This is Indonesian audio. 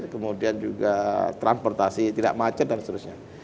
kemudian juga transportasi tidak macet dan seterusnya